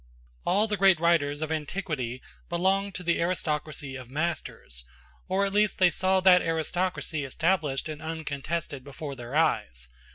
All the great writers of antiquity belonged to the aristocracy of masters, or at least they saw that aristocracy established and uncontested before their eyes.